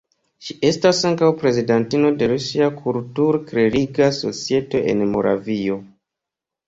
Ŝi estas ankaŭ prezidantino de Rusia Kultur-kleriga Societo en Moravio.